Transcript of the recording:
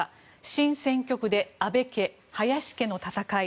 新選挙区で安倍家・林家の戦い。